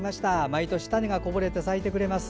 毎年種がこぼれて咲いてくれます。